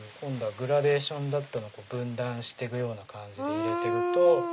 グラデーションだったのを分断してくような感じで入れてく。